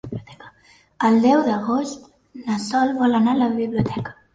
El deu d'agost na Sol vol anar a la biblioteca.